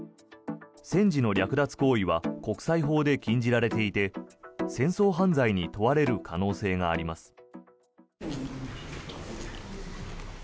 戦時の略奪行為は国際法で禁じられていて戦争犯罪に問われる可能性があります。